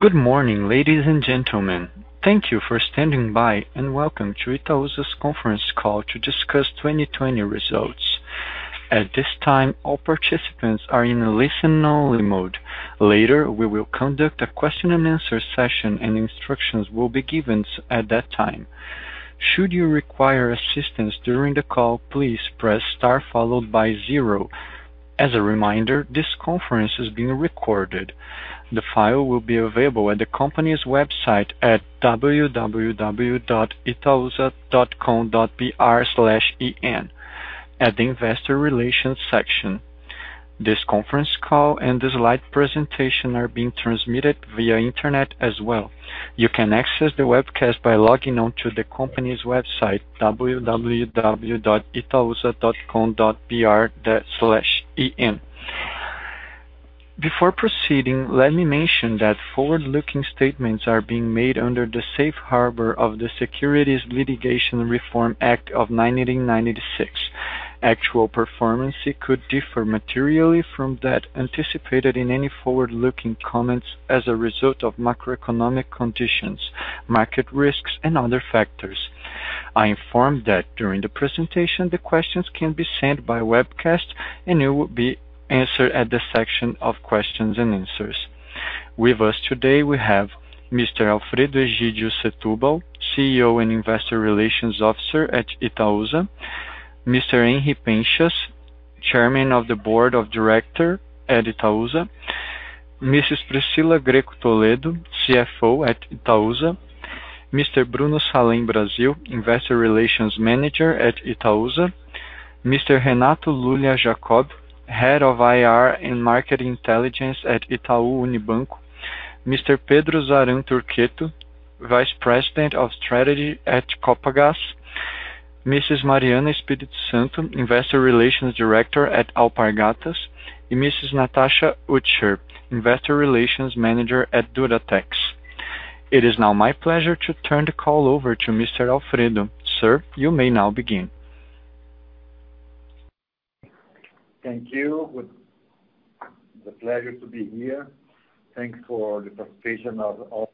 Good morning, ladies and gentlemen. Thank you for standing by and welcome to Itaúsa's conference call to discuss 2020 results. At this time, all participants are in a listen-only mode. Later, we will conduct a question-and-answer session, and instructions will be given at that time. As a reminder, this conference is being recorded. The file will be available at the company's website at www.itausa.com.br/en at the Investor Relations section. This conference call and the slide presentation are being transmitted via internet as well. You can access the webcast by logging on to the company's website, www.itausa.com.br/en. Before proceeding, let me mention that forward-looking statements are being made under the safe harbor of the Securities Litigation Reform Act of 1996. Actual performance here could differ materially from that anticipated in any forward-looking comments as a result of macroeconomic conditions, market risks, and other factors. I inform that during the presentation, the questions can be sent by webcast, and it will be answered at the section of questions and answers. With us today, we have Mr. Alfredo Egydio Setubal, CEO and Investor Relations Officer at Itaúsa, Mr. Henri Penchas, Chairman of the Board of Directors at Itaúsa, Mrs. Priscila Grecco Toledo, CFO at Itaúsa, Mr. Bruno Salem Brasil, Investor Relations Manager at Itaúsa, Mr. Renato Lulia Jacob, Head of IR and Market Intelligence at Itaú Unibanco, Mr. Pedro Zahran Turqueto, Vice President of Strategy at Copagaz, Mrs. Mariana Espírito Santo, Investor Relations Director at Alpargatas, and Mrs. Natasha Utescher, Investor Relations Manager at Duratex. It is now my pleasure to turn the call over to Mr. Alfredo. Sir, you may now begin. Thank you. The pleasure to be here. Thanks for the participation of all.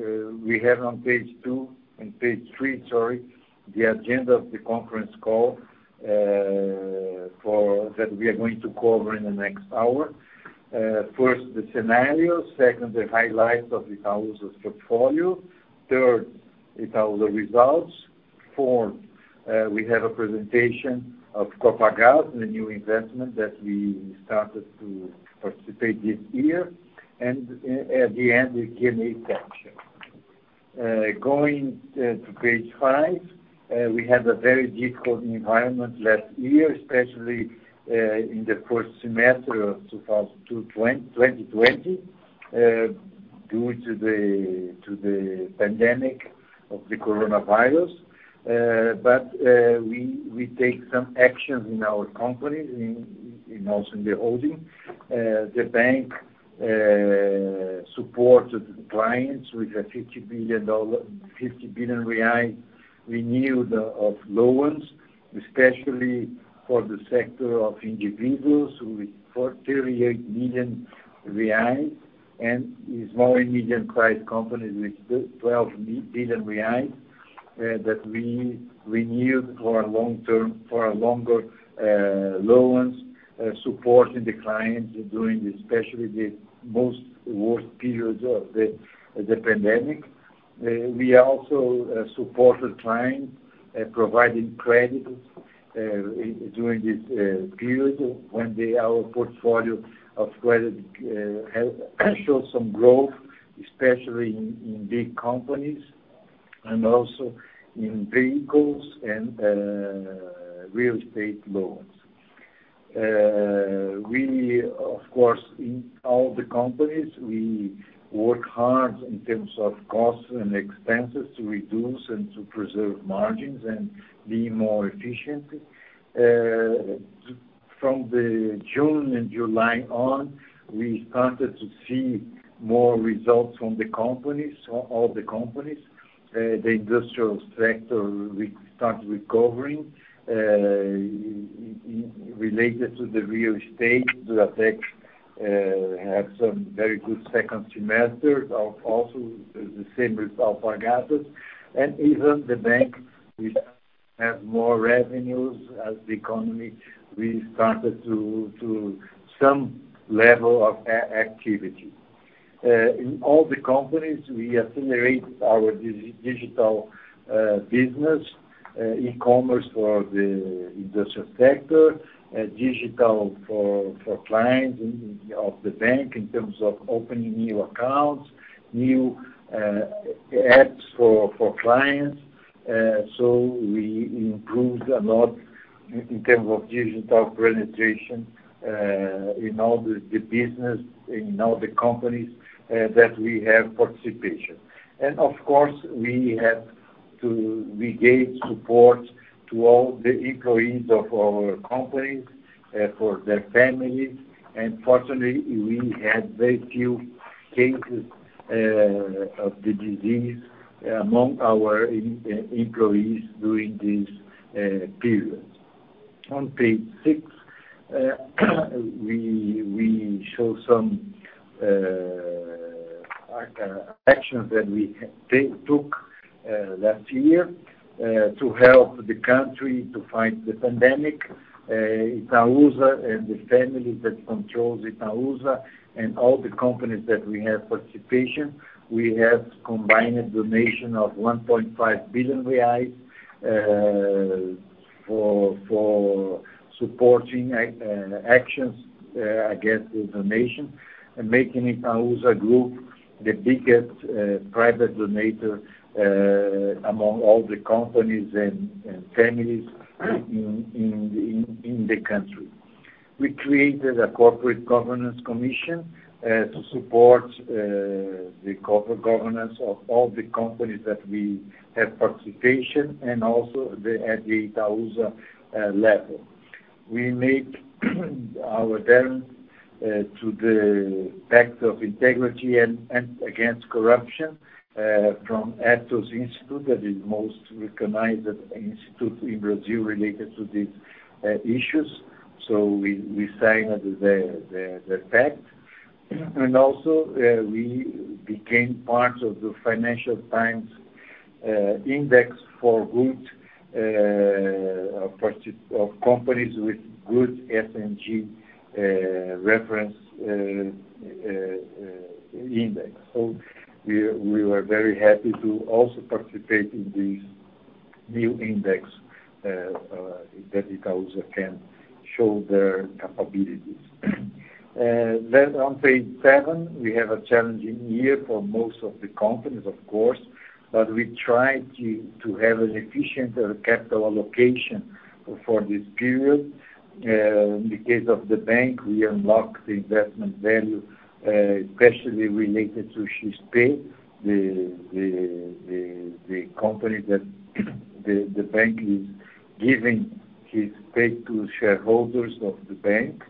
We have on page two, on page three, sorry, the agenda of the conference call that we are going to cover in the next hour. First, the scenario, second, the highlights of Itaúsa's portfolio, third, Itaúsa results, fourth, we have a presentation of Copagaz and the new investment that we started to participate this year, and at the end, the Q&A section. Going to page five, we had a very difficult environment last year, especially in the first semester of 2020 due to the pandemic of the coronavirus. We take some actions in our company and also in the holding. The bank supported clients with a BRL 50 billion renewed of loans, especially for the sector of individuals with 48 million and with small and medium-sized companies with 12 billion that we renewed for longer loans, supporting the clients during especially the most worst periods of the pandemic. We also supported clients providing credit during this period when our portfolio of credit showed some growth, especially in big companies and also in vehicles and real estate loans. We, of course, in all the companies, we work hard in terms of costs and expenses to reduce and to preserve margins and be more efficient. From the June and July on, we started to see more results from all the companies. The industrial sector we start recovering. Related to the real estate, Duratex had some very good second semester, also the same with Alpargatas. Even the bank, we have more revenues as the economy restarted to some level of activity. In all the companies, we accelerated our digital business, e-commerce for the industrial sector, digital for clients of the bank in terms of opening new accounts, new apps for clients. We improved a lot in terms of digital penetration in all the business, in all the companies that we have participation. Of course, we had to give support to all the employees of our company, for their families, and fortunately, we had very few cases of the disease among our employees during this period. On page six, we show some actions that we took last year to help the country to fight the pandemic. Itaúsa and the families that control Itaúsa and all the companies that we have participation, we have combined a donation of 1.5 billion reais for supporting actions against the nation, and making Itaúsa group the biggest private donator among all the companies and families in the country. We created a corporate governance commission to support the corporate governance of all the companies that we have participation and also at the Itaúsa level. We made our turn to the Pact of Integrity and Against Corruption from Instituto Ethos, that is most recognized institute in Brazil related to these issues. We signed the pact. We became part of the Financial Times Index of companies with good ESG reference index. We were very happy to also participate in this new index that Itaúsa can show their capabilities. On page seven, we have a challenging year for most of the companies, of course, but we tried to have an efficient capital allocation for this period. In the case of the Bank, we unlocked the investment value, especially related to Shiftpay, the company that the Bank is giving its pay to shareholders of the Bank.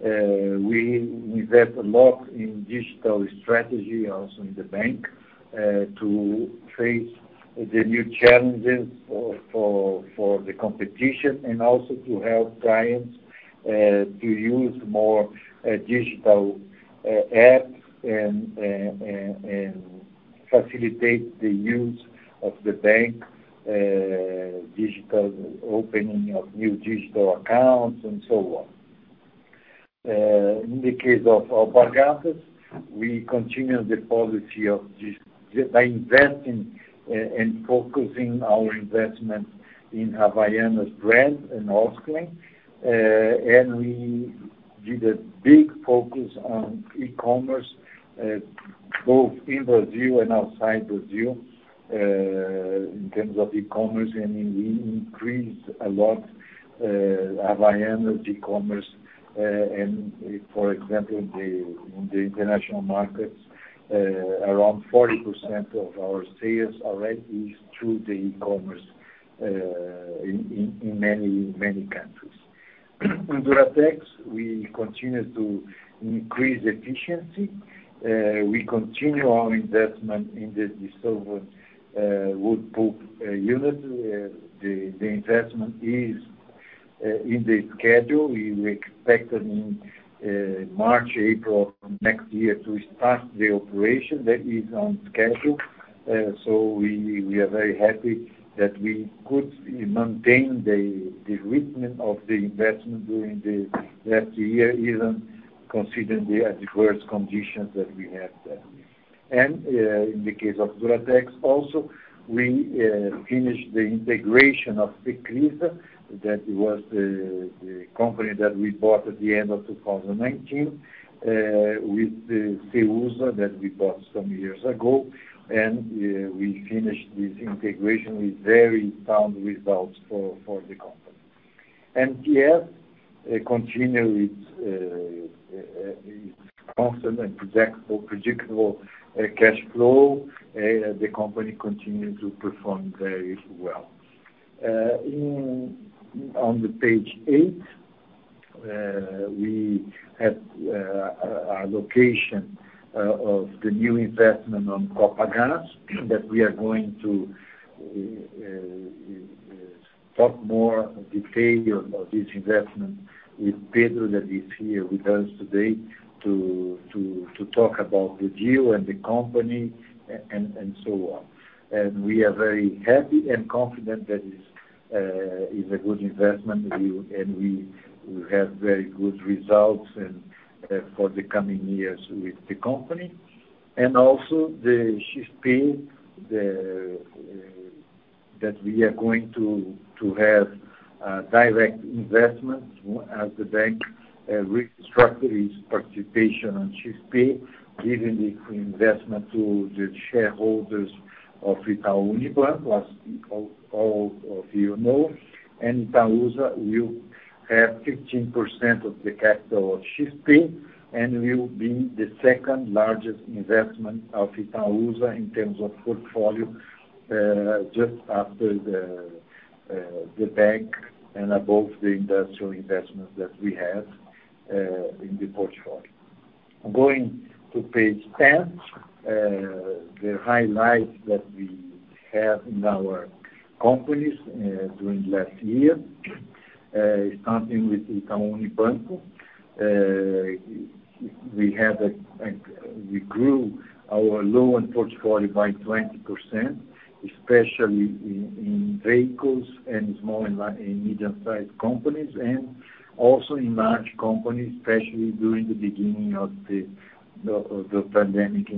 We invest a lot in digital strategy, also in the Bank, to face the new challenges for the competition and also to help clients to use more digital apps and facilitate the use of the Bank, digital opening of new digital accounts and so on. In the case of Alpargatas, we continue the policy of investing and focusing our investment in Havaianas brand and Osklen, and we did a big focus on e-commerce, both in Brazil and outside Brazil, in terms of e-commerce, and we increased a lot Havaianas e-commerce. For example, in the international markets, around 40% of our sales already is through the e-commerce in many countries. In Duratex, we continue to increase efficiency. We continue our investment in the dissolving wood pulp unit. The investment is in the schedule. We expected in March, April of next year to start the operation. That is on schedule. We are very happy that we could maintain the rhythm of the investment during the last year, even considering the adverse conditions that we had then. In the case of Duratex also, we finished the integration of Cecrisa, that was the company that we bought at the end of 2019, with the Ceusa that we bought some years ago, and we finished this integration with very sound results for the company. NTS continue its constant and predictable cash flow. The company continued to perform very well. On the page eight, we have our location of the new investment on Copagaz that we are going to talk more detail about this investment with Pedro that is here with us today, to talk about the deal and the company and so on. We are very happy and confident that it's a good investment, and we have very good results for the coming years with the company. Also the Shiftpay that we are going to have direct investment as the bank restructure its participation on Shiftpay, giving the investment to the shareholders of Itaú Unibanco, as all of you know. Itaúsa will have 15% of the capital of Shiftpay and will be the second-largest investment of Itaúsa in terms of portfolio, just after the bank and above the industrial investments that we have in the portfolio. Going to page 10, the highlights that we have in our companies during last year, starting with Itaú Unibanco. We grew our loan portfolio by 20%, especially in vehicles and small and medium-sized companies, and also in large companies, especially during the beginning of the pandemic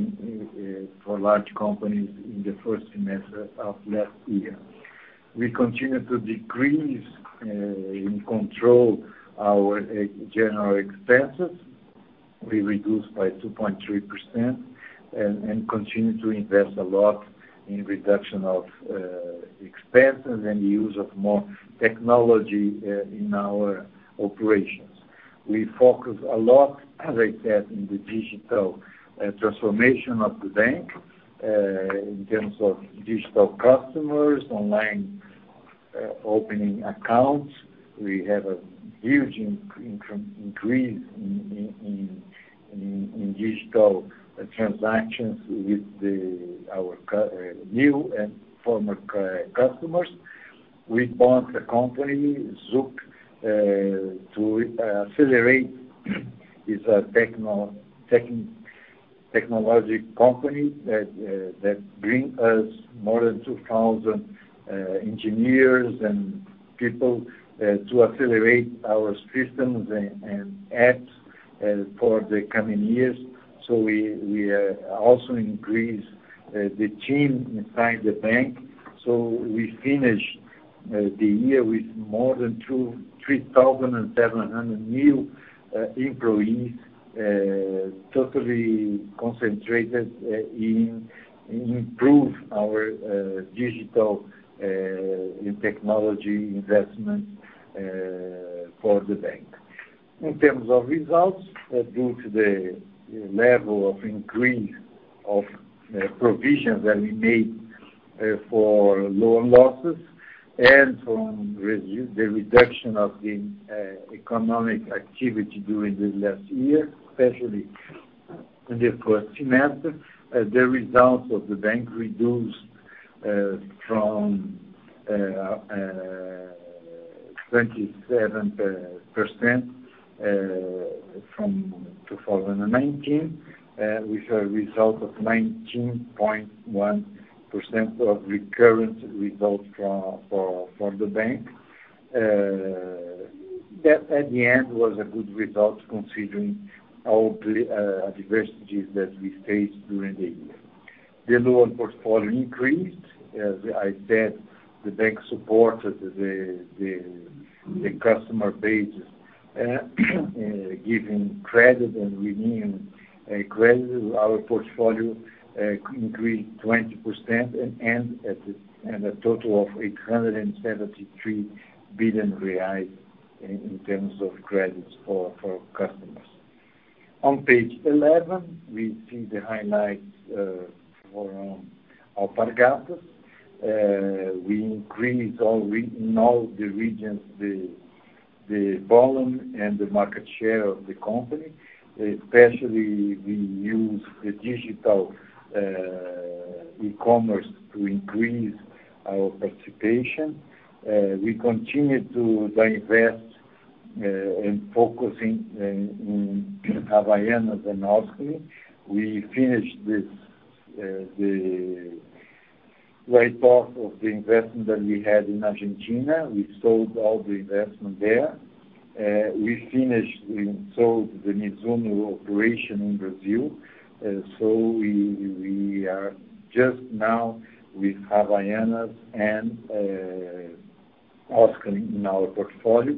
for large companies in the first semester of last year. We continue to decrease and control our general expenses. We reduced by 2.3% and continue to invest a lot in reduction of expenses and the use of more technology in our operations. We focus a lot, as I said, on the digital transformation of the bank, in terms of digital customers, online opening accounts. We have a huge increase in digital transactions with our new and former customers. We bought the company, Zup, to accelerate, it's a technological company that bring us more than 2,000 engineers and people to accelerate our systems and apps for the coming years. We also increase the team inside the bank. We finished the year with more than 3,700 new employees, totally concentrated in improve our digital and technology investment for the bank. In terms of results, due to the level of increase of provisions that we made for loan losses and from the reduction of the economic activity during the last year, especially in the first semester, the results of the bank reduced from 27% from 2019, with a result of 19.1% of recurrent results from the bank. That at the end was a good result considering all adversities that we faced during the year. The loan portfolio increased. As I said, the bank supported the customer base, giving credit and renewing credit. Our portfolio increased 20% and a total of 873 billion reais in terms of credits for customers. On page 11, we see the highlights for Alpargatas. We increase in all the regions, the volume and the market share of the company, especially we use the digital e-commerce to increase our participation. We continue to invest in focusing in Havaianas and Osklen. We finished the write-off of the investment that we had in Argentina. We sold all the investment there. We sold the Mizuno operation in Brazil. We are just now with Havaianas and Osklen in our portfolio.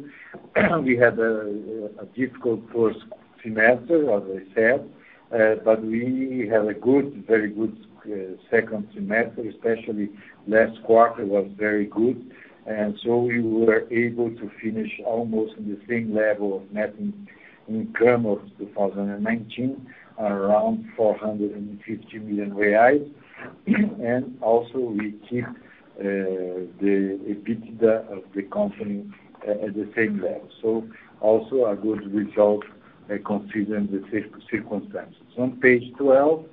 We had a difficult first semester, as I said, but we had a very good second semester, especially last quarter was very good. We were able to finish almost in the same level of net income of 2019, around 450 million reais. We keep the EBITDA of the company at the same level. A good result considering the circumstances. On page 12,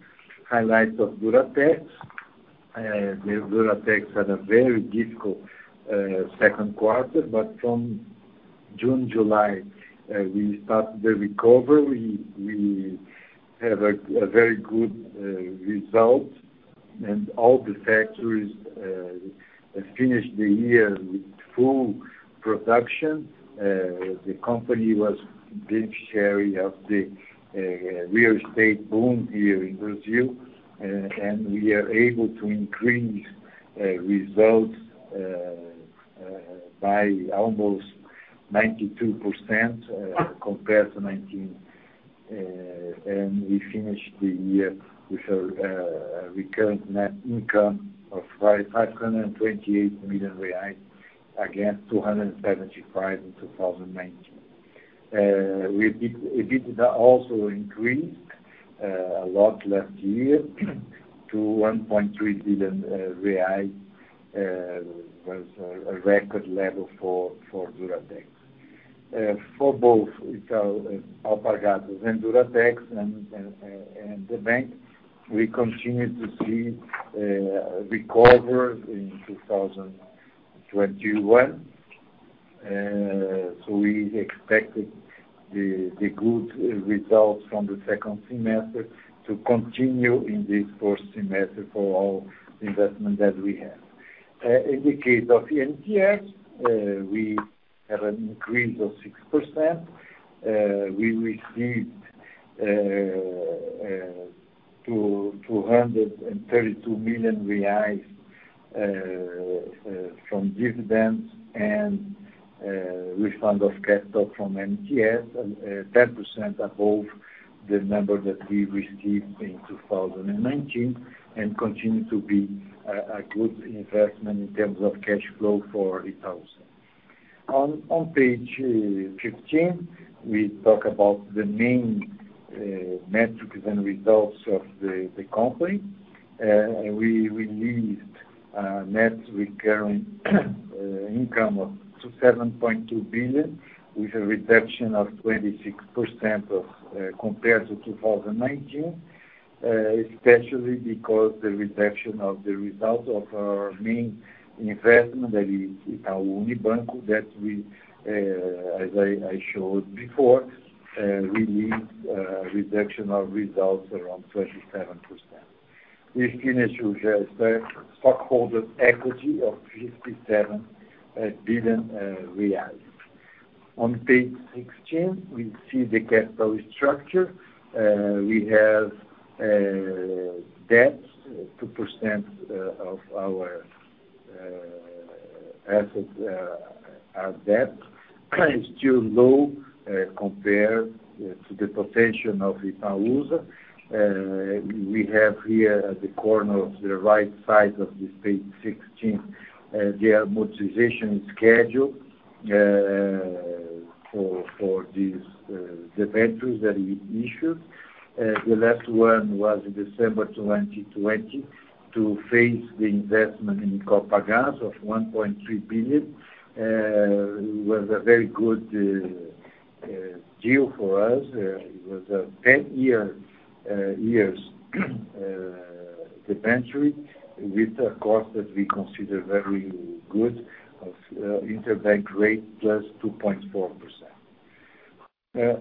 highlights of Duratex. Duratex had a very difficult second quarter, but from June, July, we started the recovery. We have a very good result, and all the factories finished the year with full production. The company was beneficiary of the real estate boom here in Brazil, and we are able to increase results by almost 92% compared to 2019. We finished the year with a recurrent net income of 528 million reais, against 275 million in 2019. EBITDA also increased a lot last year to 1.3 billion reais, was a record level for Duratex. For both, Alpargatas and Duratex and the bank, we continue to see a recovery in 2021. We expected the good results from the second semester to continue in this first semester for all investment that we have. In the case of NTS, we have an increase of 6%. We received 232 million reais from dividends and refund of cash stock from NTS, 10% above the number that we received in 2019, and continue to be a good investment in terms of cash flow for Itaúsa. On page 15, we talk about the main metrics and results of the company. We released a net recurring income of 27.2 billion, with a reduction of 26% compared to 2019, especially because the reduction of the result of our main investment, that is our Itaú Unibanco, that as I showed before, released a reduction of results around 27%. We finished with a stockholder equity of 57 billion reais. On page 16, we see the capital structure. We have debt, 2% of our assets are debt. It's still low compared to the potential of Itaúsa. We have here at the corner of the right side of this page 16, the amortization schedule, for these debentures that we issued. The last one was in December 2020 to face the investment in Alpargatas of 1.3 billion. It was a very good deal for us. It was a 10 years debenture with a cost that we consider very good of interbank rate +2.4%.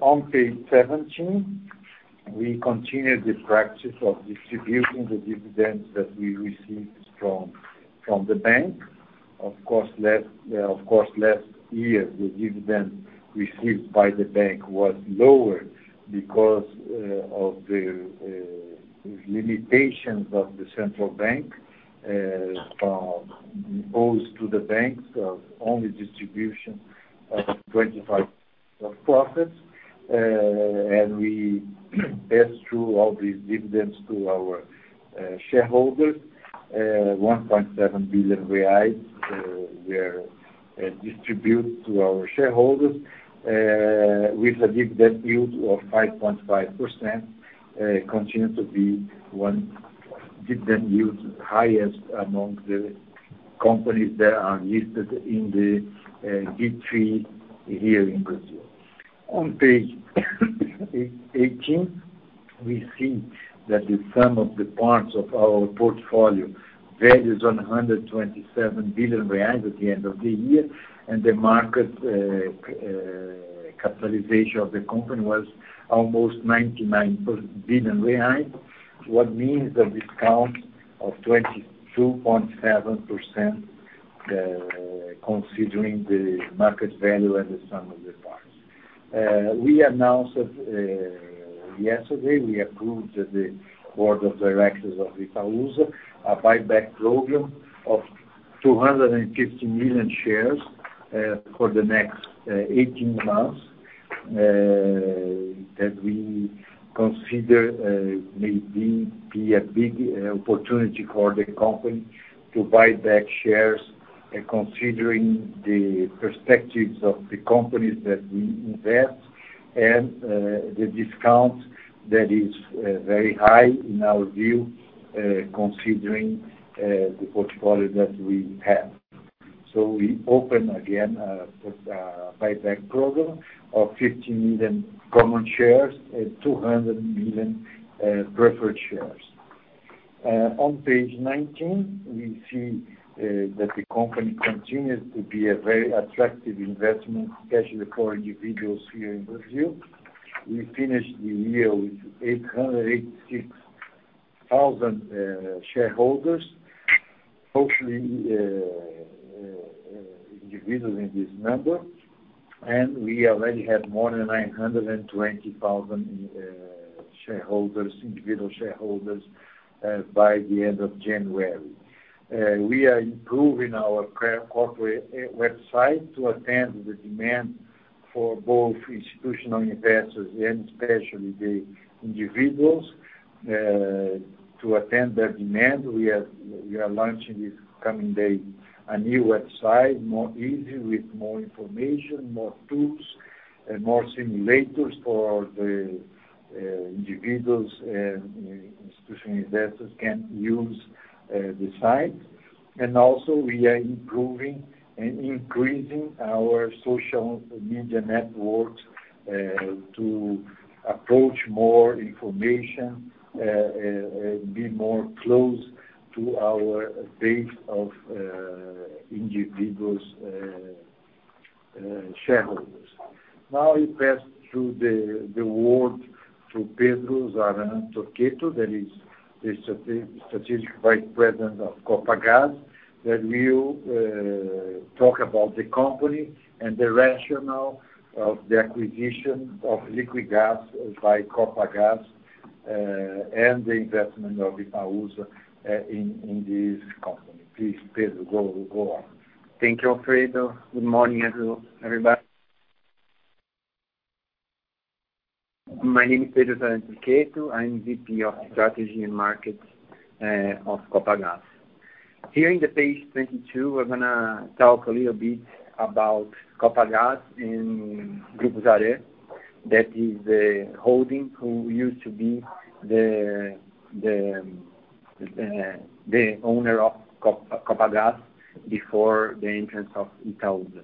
On page 17, we continue the practice of distributing the dividends that we received from the bank. Of course, last year, the dividend received by the bank was lower because of the limitations of the central bank, owes to the banks of only distribution of 25% of profits. We passed through all these dividends to our shareholders, 1.7 billion reais were distributed to our shareholders, with a dividend yield of 5.5%, continue to be one dividend yield highest among the companies that are listed in the B3 in Brazil. On page 18, we see that the sum of the parts of our portfolio values 127 billion reais at the end of the year, and the market capitalization of the company was almost 99 billion reais. What means a discount of 22.7% considering the market value and the sum of the parts. We announced yesterday, we approved the board of directors of Itaúsa, a buyback program of 250 million shares for the next 18 months, that we consider may be a big opportunity for the company to buy back shares considering the perspectives of the companies that we invest and the discount that is very high in our view, considering the portfolio that we have. We open again a buyback program of 50 million common shares and 200 million preferred shares. On page 19, we see that the company continues to be a very attractive investment, especially for individuals here in Brazil. We finished the year with 886,000 shareholders, hopefully individuals in this number, and we already have more than 920,000 individual shareholders, by the end of January. We are improving our corporate website to attend the demand for both institutional investors and especially the individuals. To attend that demand, we are launching this coming day a new website, more easy with more information, more tools, and more simulators for the individuals and institutional investors can use the site. Also we are improving and increasing our social media networks to approach more information, and be more close to our base of individuals shareholders. Now I pass the word to Pedro Zahran Turqueto, that is the Strategic Vice President of Copagaz, that will talk about the company and the rationale of the acquisition of Liquigás by Copagaz, and the investment of Itaúsa in this company. Please, Pedro, go on. Thank you, Alfredo. Good morning everybody. My name is Pedro Zahran Turqueto. I am VP of Strategy and Market of Copagaz. Here in the page 22, we're going to talk a little bit about Copagaz and Grupo Zahran, that is the holding who used to be the owner of Copagaz before the entrance of Itaúsa.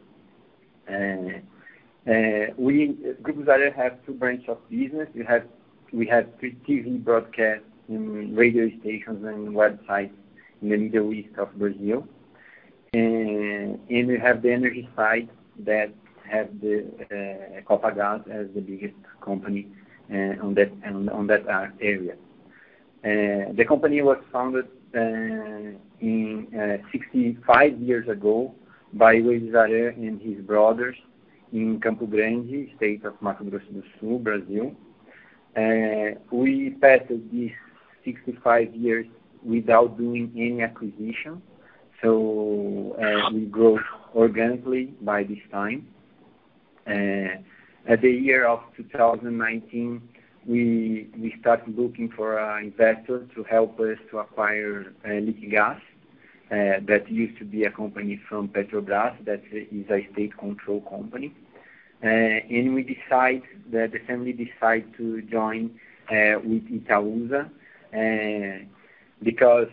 Grupo Zahran have two branch of business. We have three TV broadcast and radio stations and websites in the Midwest of Brazil. We have the energy side that have the Copagaz as the biggest company on that area. The company was founded 65 years ago by Ueze Zahran and his brothers in Campo Grande, state of Mato Grosso do Sul, Brazil. We passed these 65 years without doing any acquisition, we grow organically by this time. At the year of 2019, we start looking for an investor to help us to acquire Liquigás, that used to be a company from Petrobras, that is a state-controlled company. The family decide to join with Itaúsa, because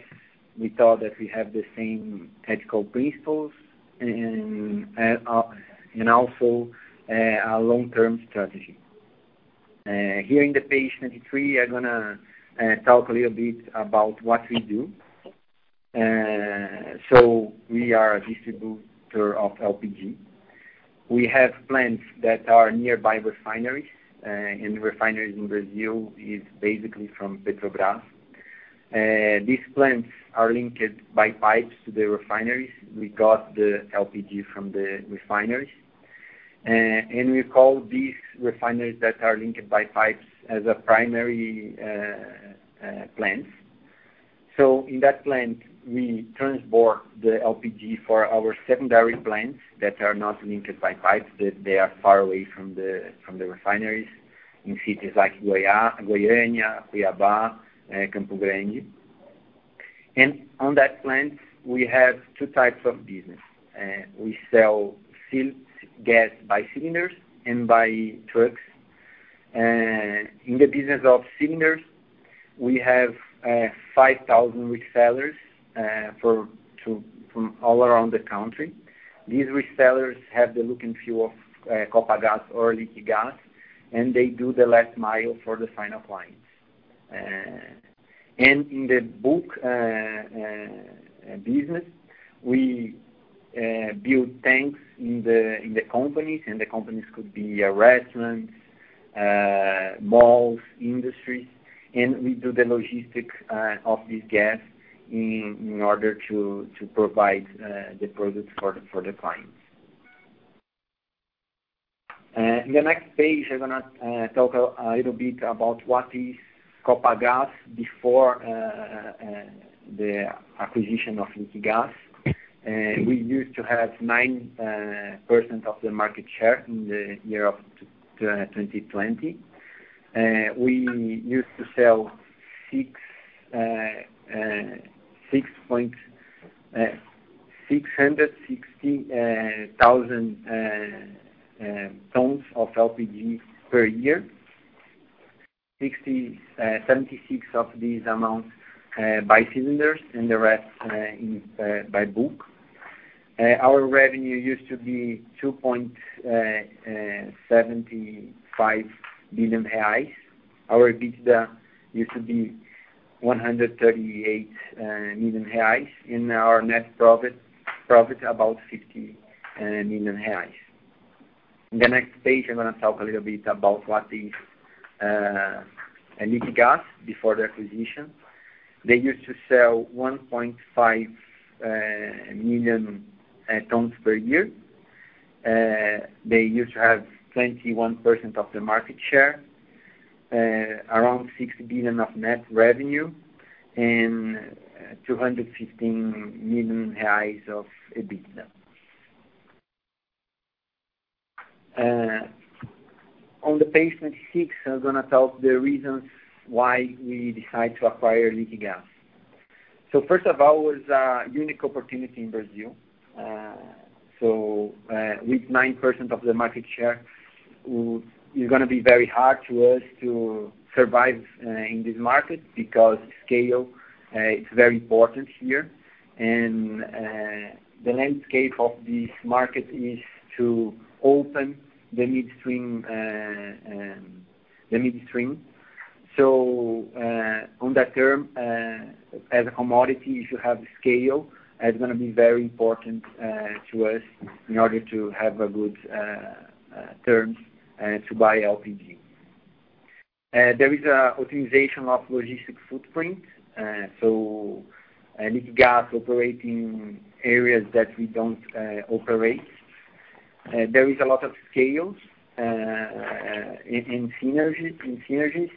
we thought that we have the same ethical principles, and also a long-term strategy. Here in the page 23, I'm going to talk a little bit about what we do. We are a distributor of LPG. We have plants that are nearby refineries, and refineries in Brazil is basically from Petrobras. These plants are linked by pipes to the refineries. We got the LPG from the refineries. We call these refineries that are linked by pipes as a primary plant. In that plant, we transport the LPG for our secondary plants that are not linked by pipes. They are far away from the refineries in cities like Goiânia, Cuiabá, Campo Grande. On that plant, we have two types of business. We sell filled gas by cylinders and by trucks. In the business of cylinders, we have 5,000 resellers from all around the country. These resellers have the look and feel of Copagaz or Liquigás, and they do the last mile for the final client. In the bulk business, we build tanks in the companies, and the companies could be restaurants, malls, industries. We do the logistics of this gas in order to provide the products for the clients. In the next page, I am going to talk a little bit about what is Copagaz before the acquisition of Liquigás. We used to have 9% of the market share in the year of 2020. We used to sell 660,000 tons of LPG per year, 76% of this amount by cylinders, and the rest by bulk. Our revenue used to be BRL 2.75 billion. Our EBITDA used to be BRL 138 million, and our net profit, about BRL 50 million. In the next page, I'm going to talk a little bit about what is Liquigás before the acquisition. They used to sell 1.5 million tons per year. They used to have 21% of the market share, around 60 billion of net revenue, and 215 million reais of EBITDA. On the page 26, I'm going to tell the reasons why we decide to acquire Liquigás. First of all, it was a unique opportunity in Brazil. With 9% of the market share, it's going to be very hard to us to survive in this market because scale, it's very important here. The landscape of this market is to open the midstream. On that term, as a commodity, if you have scale, it's going to be very important to us in order to have a good terms to buy LPG. There is optimization of logistic footprint, so Liquigás operate in areas that we don't operate. There is a lot of scales and synergies.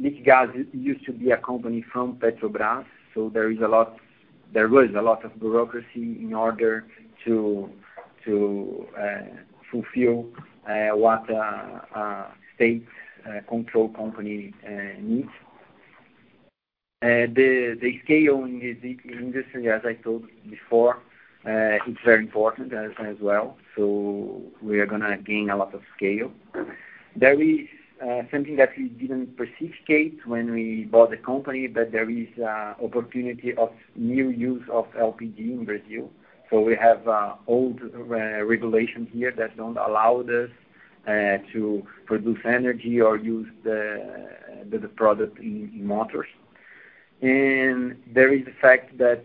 Liquigás used to be a company from Petrobras, so there was a lot of bureaucracy in order to fulfill what a state-controlled company needs. The scale in this industry, as I told before, it's very important as well. We are going to gain a lot of scale. There is something that we didn't anticipate when we bought the company, but there is opportunity of new use of LPG in Brazil. We have old regulations here that don't allow us to produce energy or use the product in motors. There is the fact that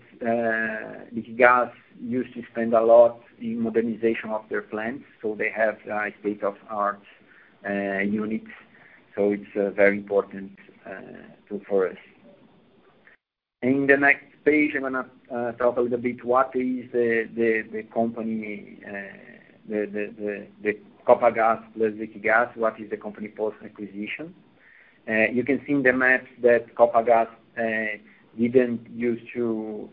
Liquigás used to spend a lot in modernization of their plants, so they have a state-of-the-art unit. It's very important for us. In the next page, I'm going to talk a little bit what is the company, the Copagaz, the Liquigás, what is the company post-acquisition. You can see in the map that Copagaz didn't use to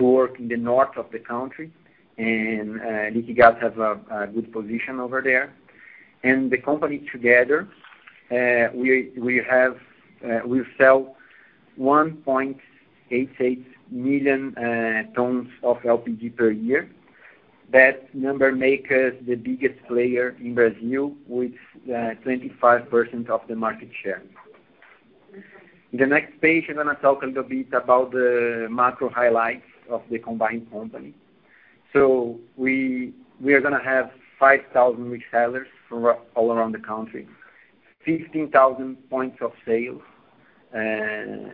work in the north of the country, and Liquigás has a good position over there. The company together, we sell 1.88 million tons of LPG per year. That number makes us the biggest player in Brazil, with 25% of the market share. The next page, we're going to talk a little bit about the macro highlights of the combined company. We are going to have 5,000 resellers from all around the country, 15,000 points of sale, and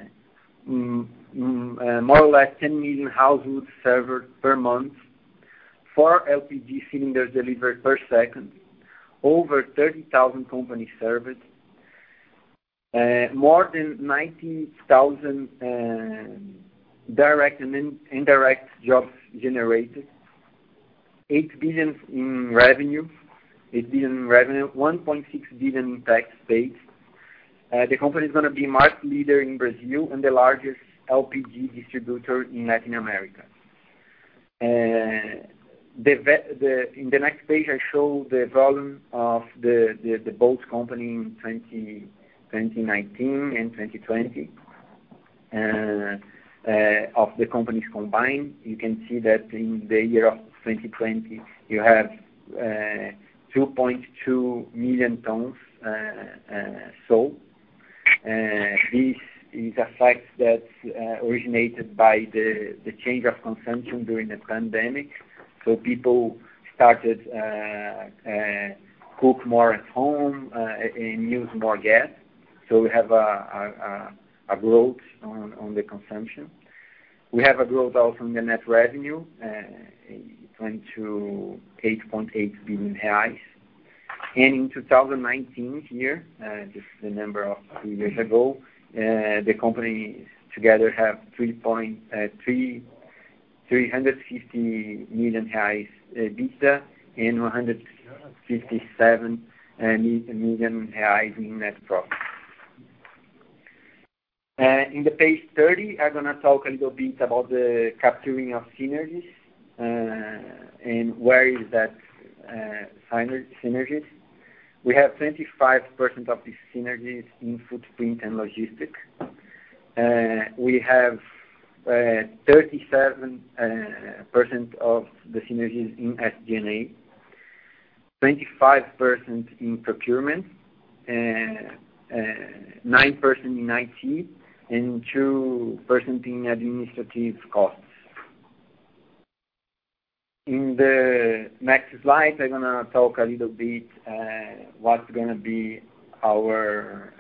more or less 10 million households served per month, four LPG cylinders delivered per second, over 30,000 companies served, more than 90,000 direct and indirect jobs generated, 8 billion in revenue, 1.6 billion in tax paid. The company is going to be market leader in Brazil and the largest LPG distributor in Latin America. In the next page, I show the volume of the both company in 2019 and 2020, of the companies combined. You can see that in the year of 2020, you have 2.2 million tons sold. This is a fact that originated by the change of consumption during the pandemic. People started cook more at home and use more gas. We have a growth on the consumption. We have a growth also in the net revenue, went to 8.8 billion reais. In 2019 here, this is the number of three years ago, the company together have 350 million reais EBITDA and 157 million reais in net profit. In the page 30, I'm going to talk a little bit about the capturing of synergies and where is that synergies. We have 25% of the synergies in footprint and logistic. We have 37% of the synergies in SG&A, 25% in procurement, 9% in IT, and 2% in administrative costs. In the next slide, I'm going to talk a little bit, what's going to be our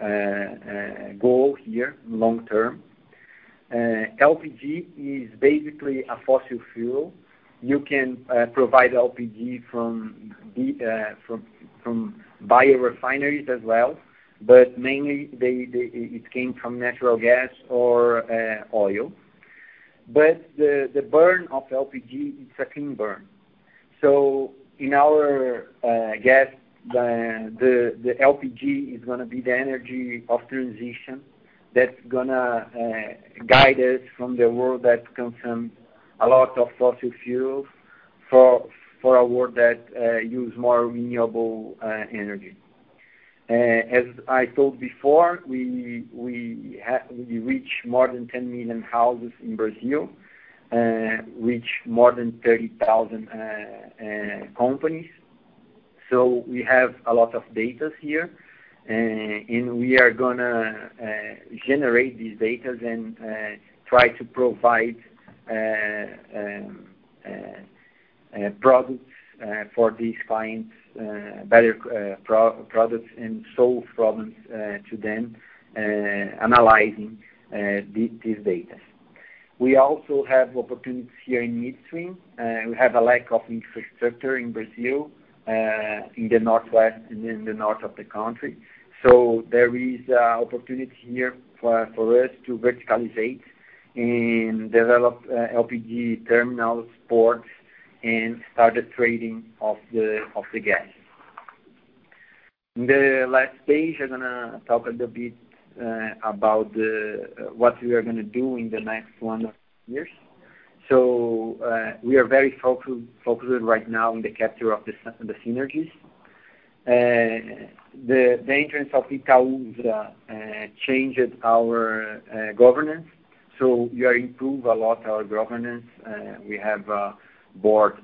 goal here long term. LPG is basically a fossil fuel. You can provide LPG from biorefineries as well, but mainly it came from natural gas or oil. The burn of LPG, it's a clean burn. In our gas, the LPG is going to be the energy of transition that's going to guide us from the world that consumes a lot of fossil fuels for a world that use more renewable energy. As I told before, we reach more than 10 million houses in Brazil, reach more than 30,000 companies. We have a lot of datas here, and we are going to generate these datas and try to provide products for these clients, better products and solve problems to them, analyzing these datas. We also have opportunities here in midstream. We have a lack of infrastructure in Brazil, in the northwest and in the north of the country. There is opportunity here for us to verticalize and develop LPG terminal ports and start the trading of the gas. In the last page, I'm going to talk a little bit about what we are going to do in the next one years. We are very focused right now on the capture of the synergies. The entrance of Itaúsa changed our governance. We are improve a lot our governance. We have a board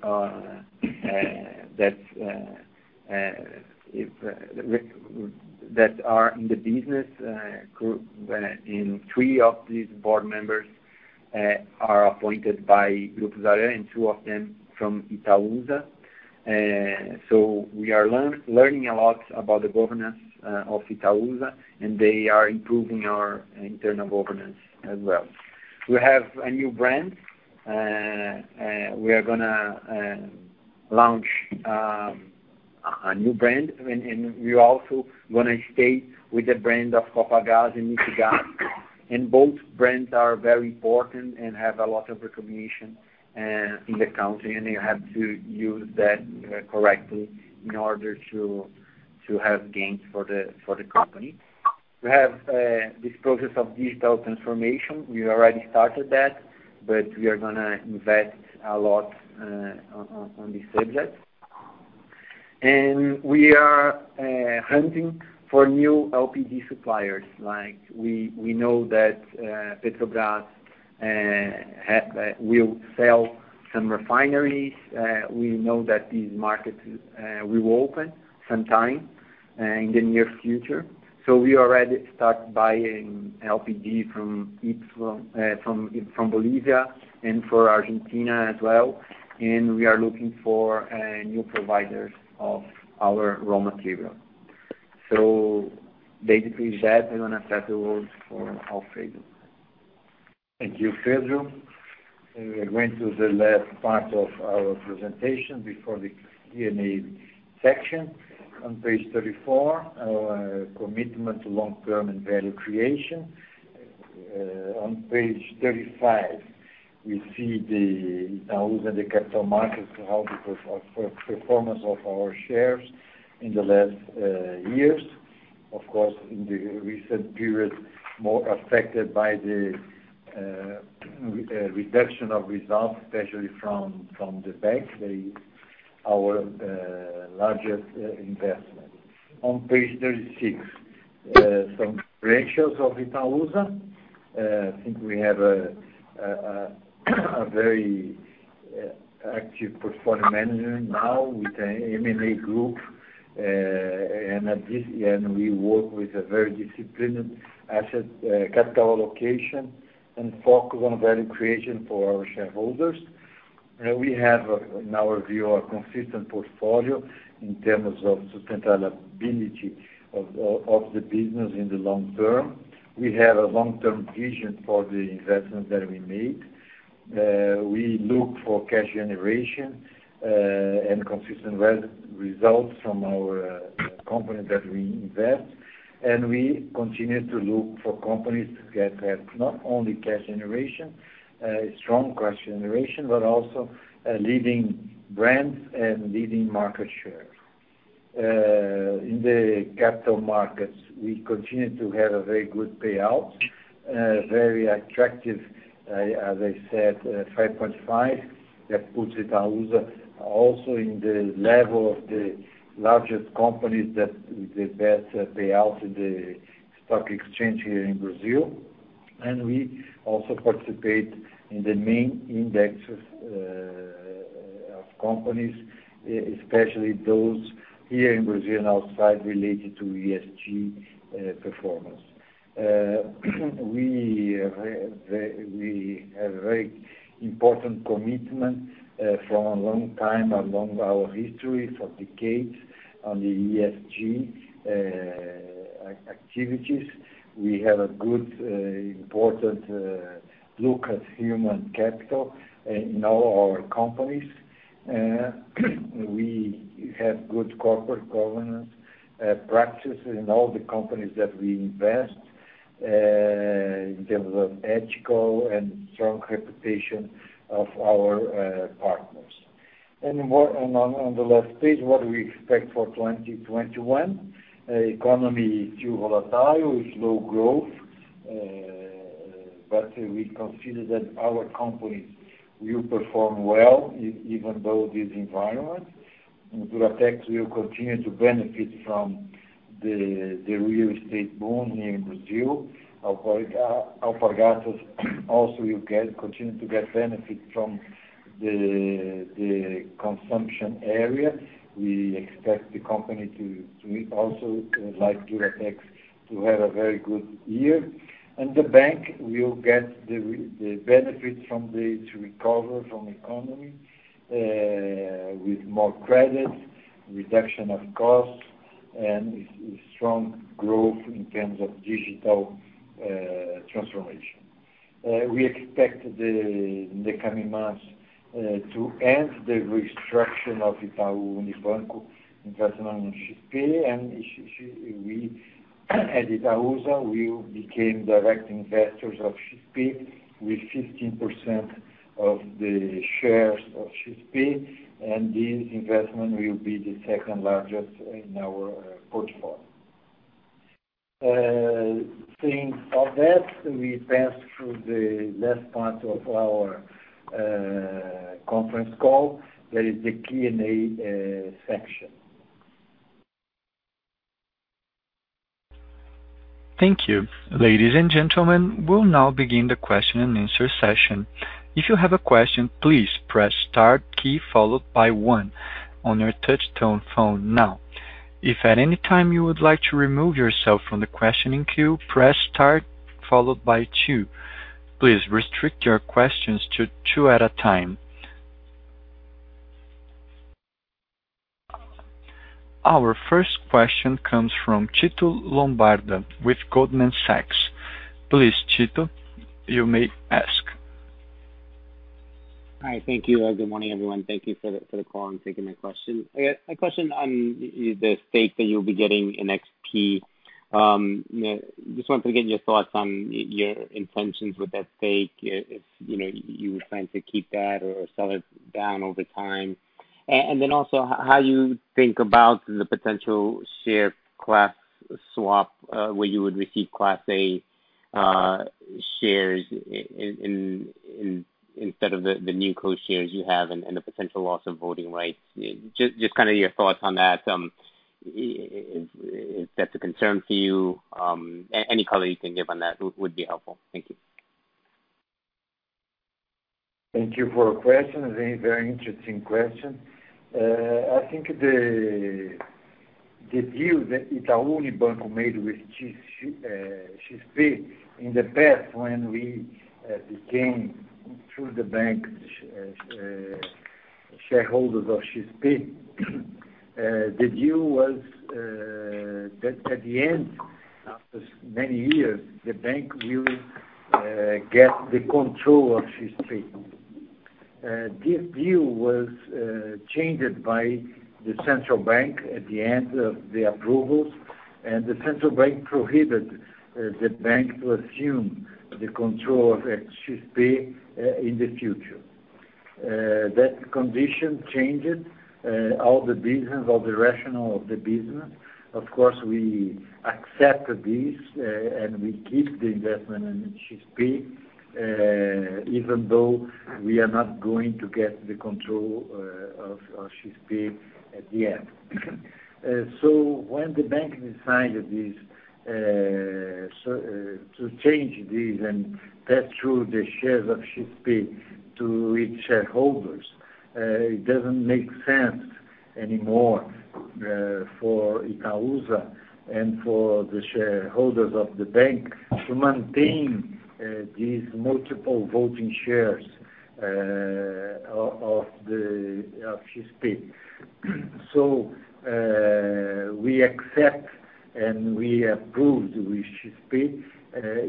that are in the business group, and three of these board members are appointed by Grupo Zahran and two of them from Itaúsa. We are learning a lot about the governance of Itaúsa, and they are improving our internal governance as well. We have a new brand. We are going to launch a new brand, and we also want to stay with the brand of Copagaz and Mixgas. Both brands are very important and have a lot of recognition in the country, and you have to use that correctly in order to have gains for the company. We have this process of digital transformation. We already started that, but we are going to invest a lot on this subject. We are hunting for new LPG suppliers. We know that Petrobras will sell some refineries. We know that these markets will open sometime in the near future. We already start buying LPG from Bolivia and for Argentina as well. We are looking for new providers of our raw material. Basically that, I'm going to pass the word for Alfredo. Thank you, Pedro. We are going to the last part of our presentation before the Q&A section. On page 34, our commitment to long-term and value creation. On page 35, we see the Itaúsa and the capital markets, how the performance of our shares in the last years. Of course, in the recent period, more affected by the reduction of results, especially from the bank, our largest investment. On page 36, some ratios of Itaúsa. I think we have a very active portfolio management now with the M&A group. We work with a very disciplined asset capital allocation and focus on value creation for our shareholders. We have, in our view, a consistent portfolio in terms of sustainability of the business in the long term. We have a long-term vision for the investments that we make. We look for cash generation and consistent results from our companies that we invest. We continue to look for companies that have not only cash generation, strong cash generation, but also leading brands and leading market share. In the capital markets, we continue to have a very good payout, very attractive, as I said, 5.5%. That puts Itaúsa also in the level of the largest companies that the best payout in the stock exchange here in Brazil. We also participate in the main indexes of companies, especially those here in Brazil and outside related to ESG performance. We have a very important commitment for a long time, along our history, for decades, on the ESG activities. We have a good, important look at human capital in all our companies. We have good corporate governance practices in all the companies that we invest. In terms of ethical and strong reputation of our partners. On the last page, what we expect for 2021. Economy is still volatile with low growth, We consider that our company will perform well even with this environment. Duratex will continue to benefit from the real estate boom here in Brazil. Alpargatas also will continue to get benefit from the consumption area. We expect the company to also, like Duratex, to have a very good year. The bank will get the benefit from the recovery from the economy, with more credit, reduction of costs, and strong growth in terms of digital transformation. We expect in the coming months to end the restructure of Itaú Unibanco investment on Shiftpay. We at Itaúsa will become direct investors of Shiftpay with 15% of the shares of Shiftpay. This investment will be the second-largest in our portfolio. Seeing all that, we pass through the last part of our conference call, that is the Q&A section. Thank you. Ladies and gentlemen, we'll now begin the question-and-answer session. If you have a question, please press star key followed by one on your touch-tone phone now. If at any time you would like to remove yourself from the questioning queue, press star followed by two. Please restrict your questions to two at a time. Our first question comes from Tito Labarta with Goldman Sachs. Please, Tito, you may ask. Hi. Thank you. Good morning, everyone. Thank you for the call and taking my question. I got a question on the stake that you'll be getting in Shiftpay. Just wanted to get your thoughts on your intentions with that stake, if you plan to keep that or sell it down over time. Also how you think about the potential share class swap, where you would receive class A shares instead of the Newco shares you have and the potential loss of voting rights. Just kind of your thoughts on that. If that's a concern for you, any color you can give on that would be helpful. Thank you. Thank you for your question. A very interesting question. I think the deal that Itaú Unibanco made with Shiftpay in the past when we became, through the bank, shareholders of Shiftpay, the deal was that at the end, after many years, the bank will get the control of Shiftpay. This deal was changed by the central bank at the end of the approvals. The central bank prohibited the bank to assume the control of Shiftpay in the future. That condition changed all the business, all the rationale of the business. Of course, we accept this, and we keep the investment in Shiftpay, even though we are not going to get the control of Shiftpay at the end. When the bank decided this, to change this and pass through the shares of Shiftpay to its shareholders, it doesn't make sense anymore for Itaúsa and for the shareholders of the bank to maintain these multiple voting shares of Shiftpay. We accept and we approved with Shiftpay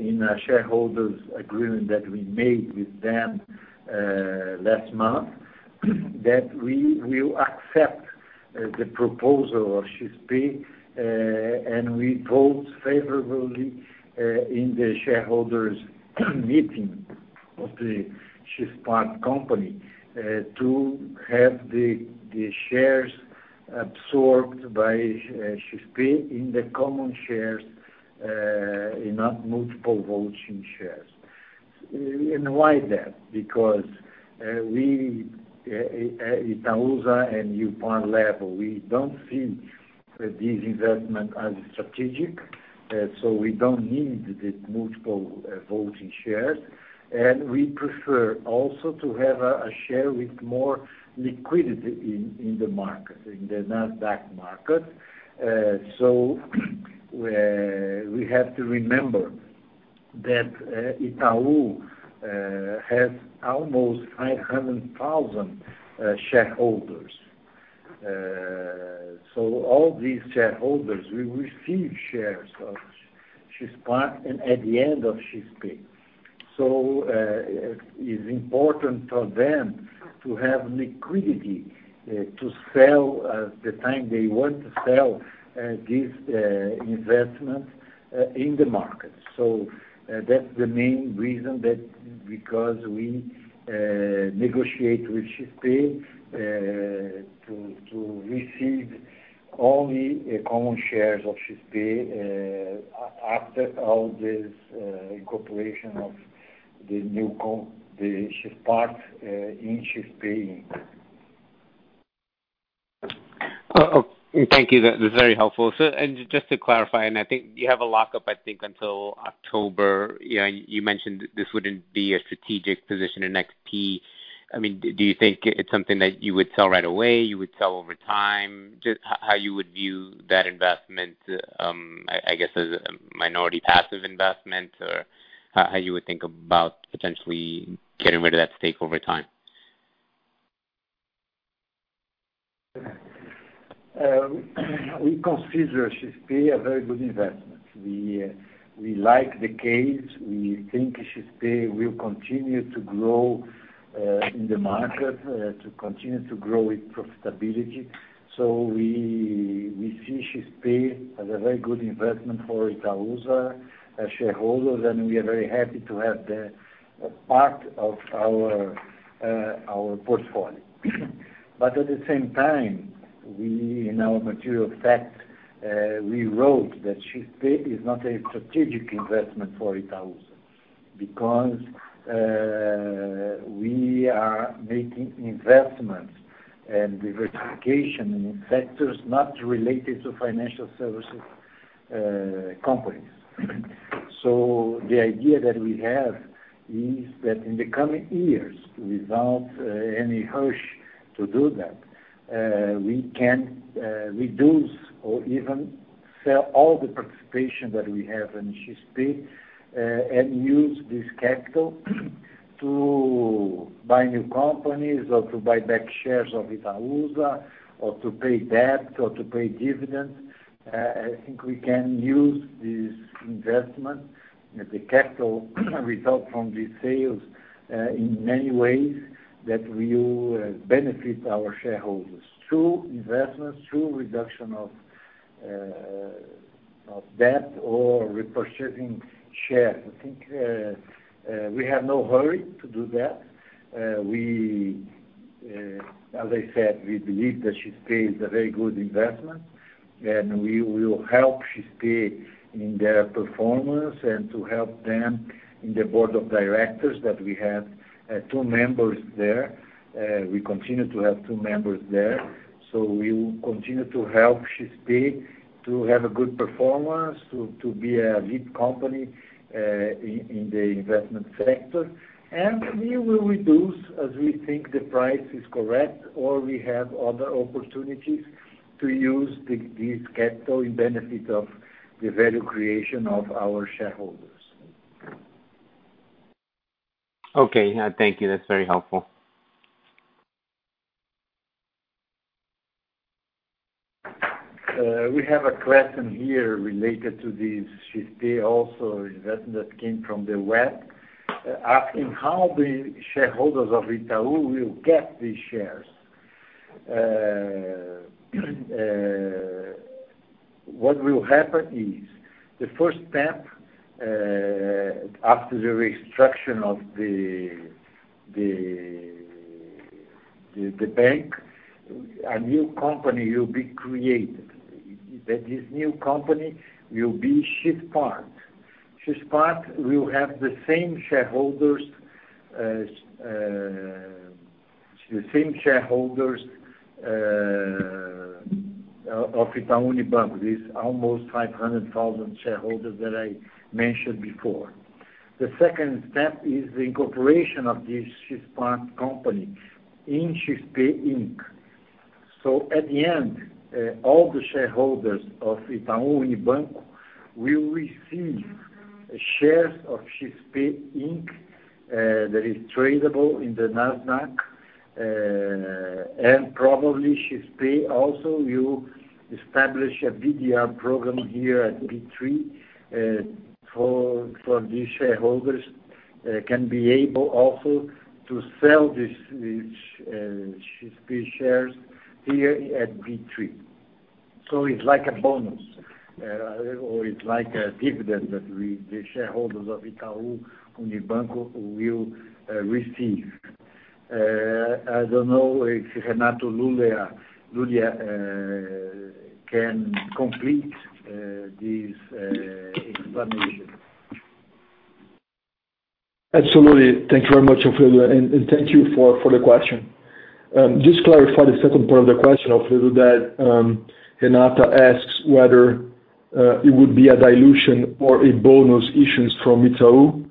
in a shareholders agreement that we made with them last month, that we will accept the proposal of Shiftpay, and we vote favorably in the shareholders meeting of the Shiftpay company to have the shares absorbed by Shiftpay in the common shares and not multiple voting shares. Why is that? Because we, Itaúsa and new partner level, we don't see this investment as strategic, so we don't need these multiple voting shares. We prefer also to have a share with more liquidity in the Nasdaq market. We have to remember that Itaú has almost 500,000 shareholders. All these shareholders will receive shares of Shiftpay and at the end of Shiftpay. It's important for them to have liquidity to sell at the time they want to sell this investment in the market. That's the main reason that because we negotiate with Shiftpay to receive only common shares of Shiftpay after all this incorporation of the Newco, the Shiftpayart in Shiftpay Inc. Thank you. That's very helpful. Just to clarify, and I think you have a lockup, I think until October, you mentioned this wouldn't be a strategic position in Shiftpay. Do you think it's something that you would sell right away, you would sell over time? Just how you would view that investment, I guess as a minority passive investment, or how you would think about potentially getting rid of that stake over time. We consider Shiftpay a very good investment. We like the case. We think Shiftpay will continue to grow in the market, to continue to grow its profitability. We see Shiftpay as a very good investment for Itaúsa shareholders, and we are very happy to have that part of our portfolio. At the same time, we, in our material fact we wrote that Shiftpay is not a strategic investment for Itaúsa, because we are making investments and diversification in sectors not related to financial services companies. The idea that we have is that in the coming years, without any hush to do that, we can reduce or even sell all the participation that we have in Shiftpay, and use this capital to buy new companies or to buy back shares of Itaúsa or to pay debt or to pay dividends. I think we can use this investment as a capital result from these sales in many ways that will benefit our shareholders through investments, through reduction of debt or repurchasing shares. I think we have no hurry to do that. As I said, we believe that Shiftpay is a very good investment, and we will help Shiftpay in their performance and to help them in the board of directors that we have two members there. We continue to have two members there, so we will continue to help Shiftpay to have a good performance, to be a lead company in the investment sector. We will reduce as we think the price is correct, or we have other opportunities to use this capital in benefit of the value creation of our shareholders. Okay. Thank you. That's very helpful. We have a question here related to this Shiftpay also investment that came from the web, asking how the shareholders of Itaú will get these shares. What will happen is, the first step after the restructure of the bank, a new company will be created. This new company will be Shiftpayart. Shiftpayart will have the same shareholders of Itaú Unibanco, these almost 500,000 shareholders that I mentioned before. The second step is the incorporation of this Shiftpayart company in Shiftpay Inc. At the end, all the shareholders of Itaú Unibanco will receive shares of Shiftpay Inc., that is tradable in the NASDAQ, and probably Shiftpay also will establish a BDR program here at B3 for these shareholders can be able also to sell these Shiftpay shares here at B3. It's like a bonus, or it's like a dividend that the shareholders of Itaú Unibanco will receive. I don't know if Renato Lulia can complete this explanation. Absolutely. Thank you very much, Alfredo, and thank you for the question. Just to clarify the second part of the question, Alfredo, that Renato asks whether it would be a dilution or a bonus issuance from Itaú.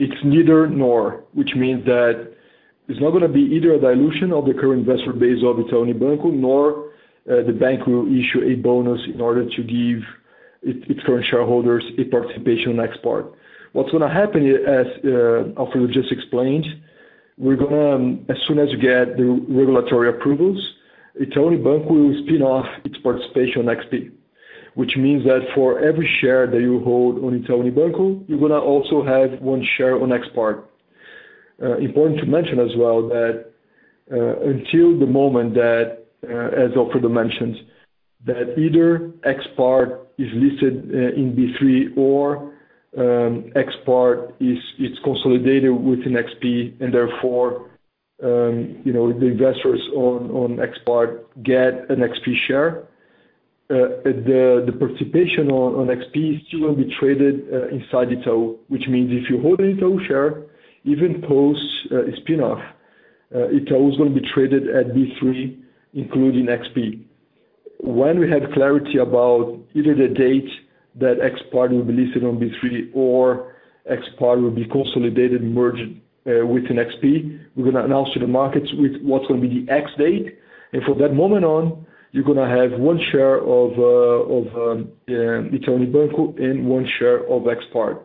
It's neither nor, which means that it's not going to be either a dilution of the current investor base of Itaú Unibanco, nor the bank will issue a bonus in order to give its current shareholders a participation in Shiftpayart. What's going to happen, as Alfredo just explained. As soon as you get the regulatory approvals, Itaú Unibanco will spin off its participation on XP, which means that for every share that you hold on Itaú Unibanco, you're going to also have one share on XPart. Important to mention as well that until the moment that, as Alfredo mentioned, that either XPart is listed in B3 or XPart is consolidated within XP and therefore the investors on XPart get an XP share. The participation on XP still will be traded inside Itaú, which means if you hold an Itaú share, even post spin-off, Itaú is going to be traded at B3, including XP. When we have clarity about either the date that XPart will be listed on B3 or XPart will be consolidated and merged within XP, we're going to announce to the markets what's going to be the X date. From that moment on, you're going to have one share of Itaú Unibanco and one share of XPart.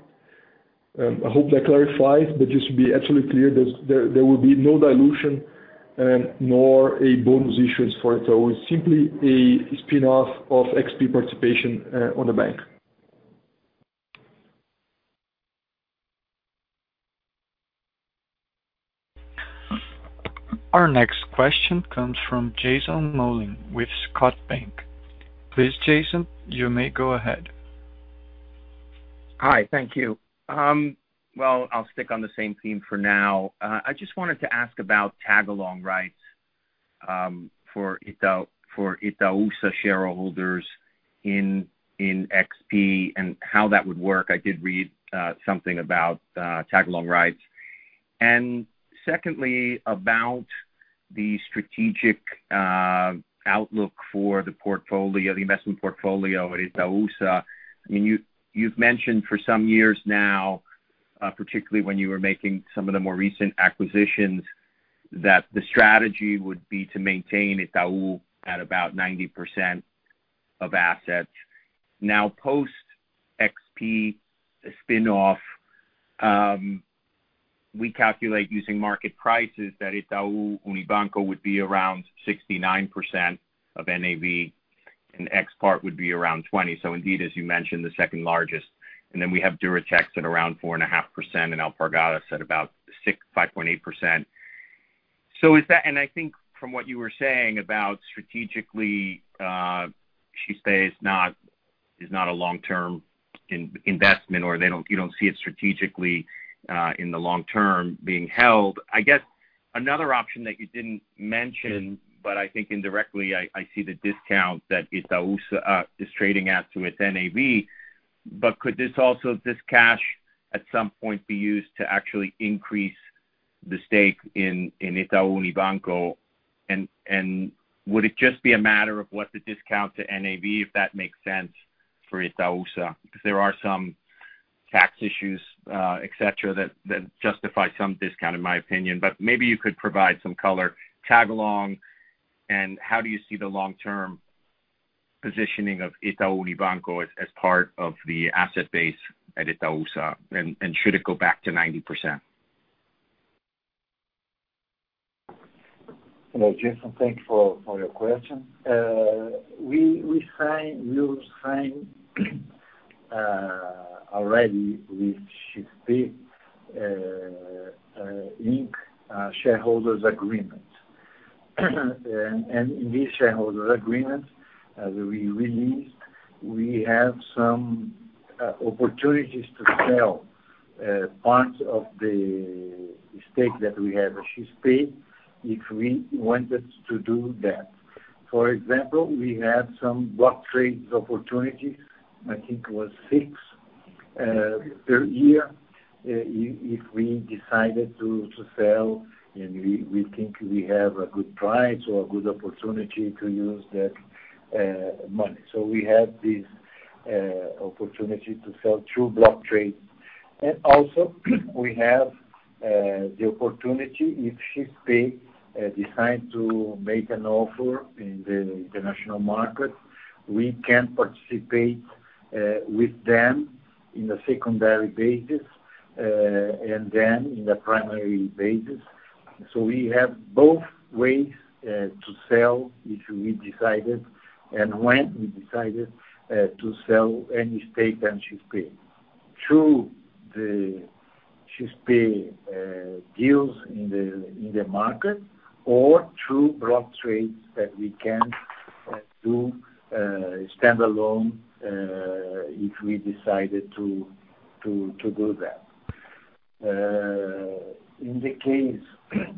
I hope that clarifies, just to be absolutely clear, there will be no dilution nor a bonus issuance for Itaú. It's simply a spin-off of XP participation on the bank. Our next question comes from Jason Mollin with Scotiabank. Please, Jason, you may go ahead. Hi, thank you. Well, I'll stick on the same theme for now. I just wanted to ask about tag-along rights for Itaúsa shareholders in XP and how that would work. I did read something about tag-along rights. Secondly, about the strategic outlook for the investment portfolio at Itaúsa. You've mentioned for some years now, particularly when you were making some of the more recent acquisitions, that the strategy would be to maintain Itaú at about 90% of assets. Now, post XP spin-off, we calculate using market prices that Itaú Unibanco would be around 69% of NAV, and XPart would be around 20%. Indeed, as you mentioned, the second largest. Then we have Duratex at around 4.5% and Alpargatas at about 5.8%. I think from what you were saying about strategically, Shiftpay is not a long-term investment, or you don't see it strategically in the long term being held. I guess another option that you didn't mention, but I think indirectly, I see the discount that Itaúsa is trading at to its NAV, but could this cash at some point be used to actually increase the stake in Itaú Unibanco? Would it just be a matter of what the discount to NAV, if that makes sense for Itaúsa? Because there are some tax issues, et cetera, that justify some discount, in my opinion. Maybe you could provide some color tag-along, and how do you see the long-term positioning of Itaú Unibanco as part of the asset base at Itaúsa? Should it go back to 90%? Hello, Jason. Thank you for your question. We signed already with Shiftpay Inc. shareholders agreement. In this shareholders' agreement, as we released, we have some opportunities to sell parts of the stake that we have at Shiftpay if we wanted to do that. For example, we have some block trades opportunities, I think it was six per year, if we decided to sell and we think we have a good price or a good opportunity to use that money. We have this opportunity to sell through block trade. Also, we have the opportunity, if Shiftpay decide to make an offer in the international market, we can participate with them in a secondary basis and then in the primary basis. We have both ways to sell if we decided and when we decided to sell any stake on Shiftpay. Through the Shiftpay deals in the market or through block trades that we can do standalone if we decided to do that. In the case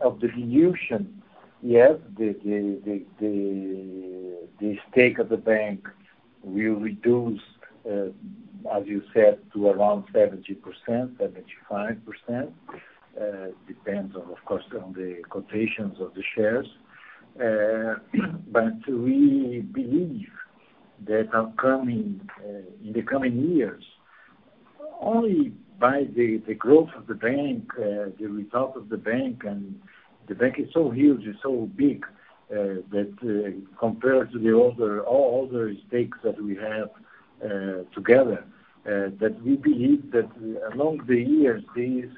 of dilution, yes, the stake of the bank will reduce, as you said, to around 70%, 75%. Depends, of course, on the quotations of the shares. We believe that in the coming years, only by the growth of the bank, the result of the bank. The bank is so huge, it's so big that compared to all the other stakes that we have together, that we believe that along the years, this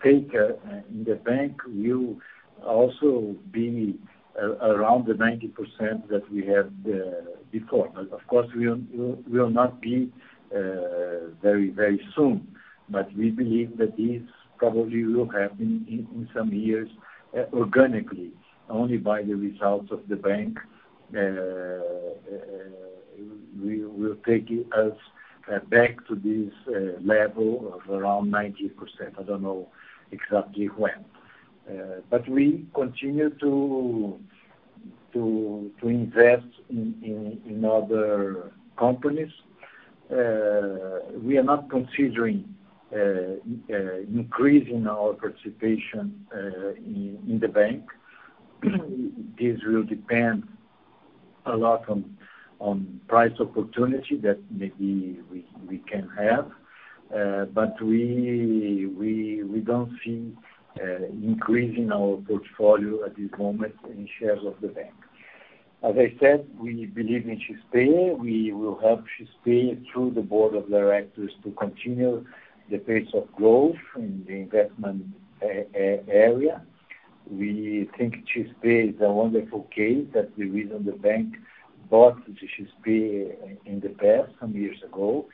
stake in the bank will also be around the 90% that we had before. Of course, we will not be very soon. We believe that this probably will happen in some years organically, only by the results of the bank, will take us back to this level of around 90%. I don't know exactly when. We continue to invest in other companies. We are not considering increasing our participation in the bank. This will depend a lot on price opportunity that maybe we can have. We don't see increasing our portfolio at this moment in shares of the bank. As I said, we believe in Shiftpay. We will help Shiftpay through the board of directors to continue the pace of growth in the investment area. We think Shiftpay is a wonderful case that the reason the bank bought Shiftpay in the past, some years ago.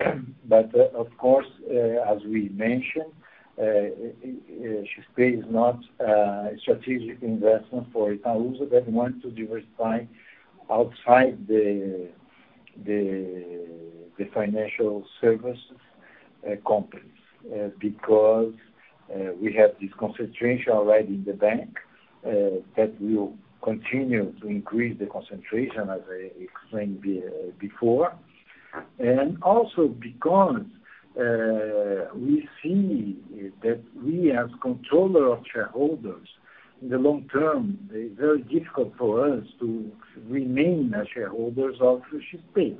Of course, as we mentioned, Shiftpay is not a strategic investment for Itaúsa that want to diversify outside the financial services companies, because we have this concentration already in the bank that will continue to increase the concentration, as I explained before. Also because we see that we as controller of shareholders, in the long term, is very difficult for us to remain as shareholders of Shiftpay,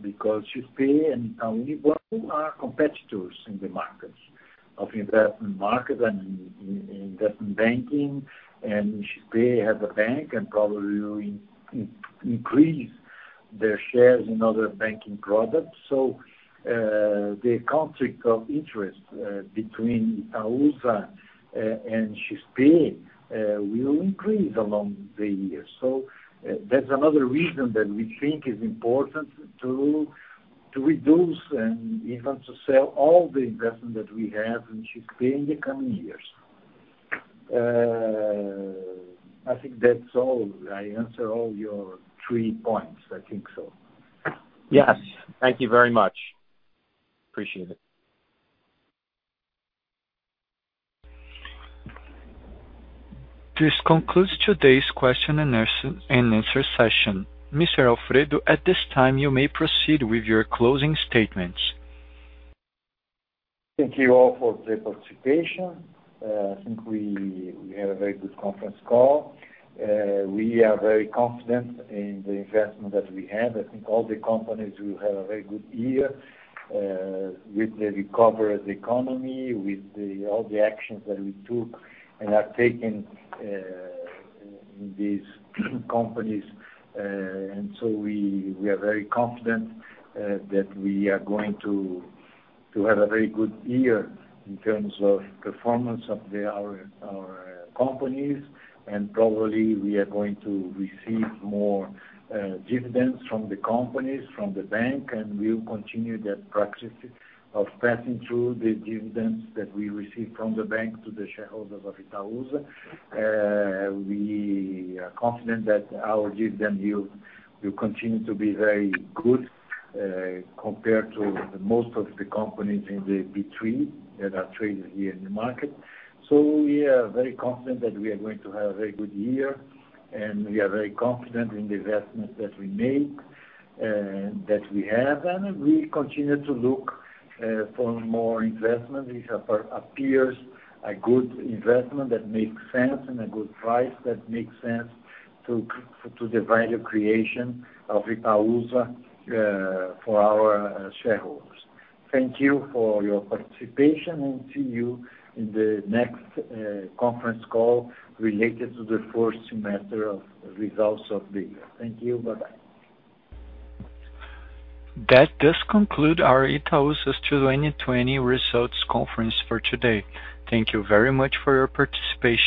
because Shiftpay and Itaú are competitors in the markets, of investment market and investment banking, and Shiftpay has a bank and probably will increase their shares in other banking products. The conflict of interest between Itaúsa and Shiftpay will increase along the years. That's another reason that we think is important to reduce and even to sell all the investment that we have in Shiftpay in the coming years. I think that's all. I answered all your three points. I think so. Yes. Thank you very much. Appreciate it. This concludes today's question-and-answer session. Mr. Alfredo, at this time, you may proceed with your closing statements. Thank you all for the participation. I think we had a very good conference call. We are very confident in the investment that we have. I think all the companies will have a very good year with the recovery of the economy, with all the actions that we took and have taken in these companies. We are very confident that we are going to have a very good year in terms of performance of our companies, and probably we are going to receive more dividends from the companies, from the bank, and we will continue that practice of passing through the dividends that we receive from the bank to the shareholders of Itaúsa. We are confident that our dividend yield will continue to be very good compared to most of the companies in the B3 that are traded here in the market. We are very confident that we are going to have a very good year, and we are very confident in the investments that we make, that we have. We continue to look for more investment, if appears a good investment that makes sense and a good price that makes sense to the value creation of Itaúsa for our shareholders. Thank you for your participation, and see you in the next conference call related to the fourth semester of results of the year. Thank you. Bye-bye. That does conclude our Itaúsa's 2020 results conference for today. Thank you very much for your participation.